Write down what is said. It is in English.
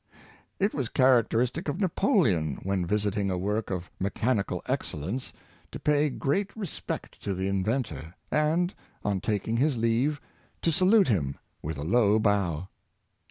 It was characteristic of Napoleon, when visiting a work of mechanical excellence, to pay great respect to the inventor, and, on taking his leave, to salute him with a low bow.